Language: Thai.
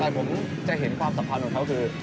แต่ผมจะเห็นความสัมพันธ์ของเขาคือ